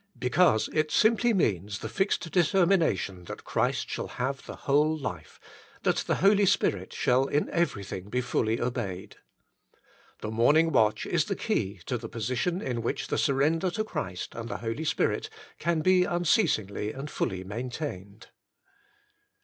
Be cause it simply means the fixed determination that Christ shall have the whole life, that the Holy Spirit shall in everything be fully obeyed. The morning watch is the key to the position in which the surrender to Christ and the Holy Spirit can be unceasingly and fully maintained.